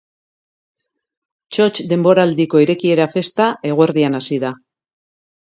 Txotx denboraldiko irekiera festa eguerdian hasi da.